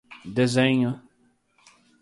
desenho